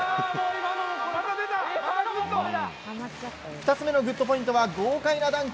２つめのＧＯＯＤポイントは豪快なダンク。